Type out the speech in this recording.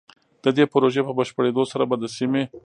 د دې پروژې په بشپړېدو سره به د سيمې